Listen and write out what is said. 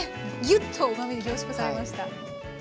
ぎゅっとうまみ凝縮されました。